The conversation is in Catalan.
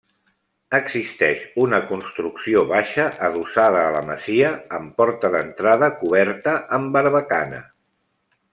Existeix una construcció baixa adossada a la masia, amb porta d'entrada coberta amb barbacana.